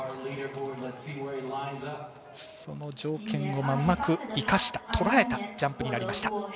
その条件をうまく生かしたとらえたジャンプになりました。